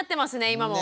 今も。